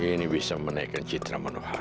ini bisa menaikkan citra manusia